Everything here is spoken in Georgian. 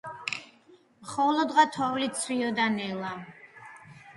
მხოლოდღა თოვლი ცვიოდა ნელა.